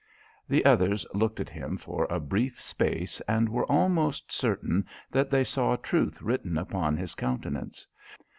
The others looked at him for a brief space and were almost certain that they saw truth written upon his countenance.